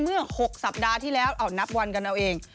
เมื่อ๖สัปดาห์ที่แล้วเอานับวันกันเอาเอง